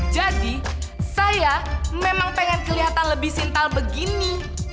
jadi saya memang pengen kelihatan lebih sintal begini